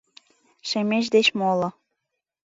Шемеч деч моло.